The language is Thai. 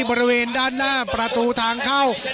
บริเวณด้านหน้าประตูทางเข้า